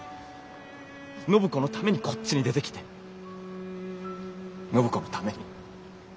暢子のためにこっちに出てきて暢子のために。